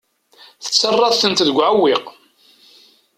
Tettarraḍ-tent deg uɛewwiq.